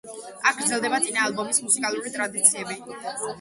აქ გრძელდება წინა ალბომის მუსიკალური ტრადიციები.